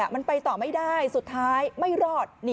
มันไปต่อไม่ได้สุดท้ายไม่รอด